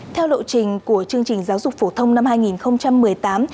theo lộ trình của chương trình giáo dục phổ thông năm hai nghìn một mươi tám